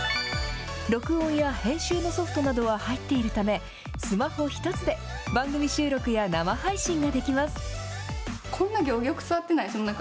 録音や編集のソフトなどが入っているため、スマホ１つで番組収録や生配信ができます。